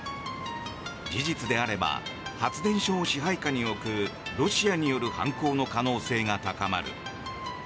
事実であれば発電所を支配下に置くロシアによる犯行の可能性が高まる。